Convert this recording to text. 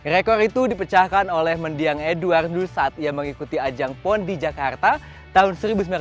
rekor itu dipecahkan oleh mendiang eduardus saat ia mengikuti ajang pondi jakarta tahun seribu sembilan ratus sembilan puluh tiga